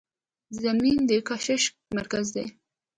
زمین د کشش مرکز دی.